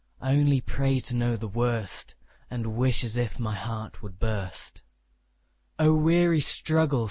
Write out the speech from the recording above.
I only pray to know the worst; And wish as if my heart would burst. O weary struggle!